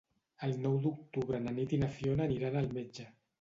El nou d'octubre na Nit i na Fiona aniran al metge.